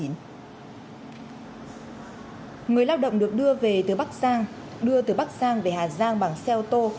người lao động được đưa về từ bắc sang đưa từ bắc sang về hà giang bằng xe ô tô